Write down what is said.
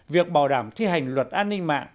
việc bảo đảm thi hành luật an ninh mạng